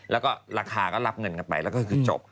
แล้วก็ราคาก็รับเงินกันไปแล้วก็คือจบ